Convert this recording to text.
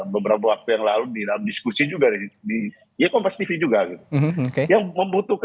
beberapa waktu yang lalu di dalam diskusi juga di ya kompas tv juga gitu